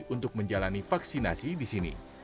untuk menjalani vaksinasi di sini